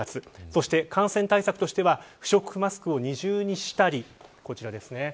そして感染対策としては不織布マスクを二重にしたり、こちらですね。